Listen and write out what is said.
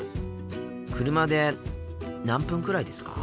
車で何分くらいですか？